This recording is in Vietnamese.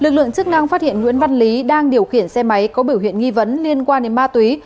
lực lượng chức năng phát hiện nguyễn văn lý đang điều khiển xe máy có biểu hiện nghi vấn liên quan đến ma túy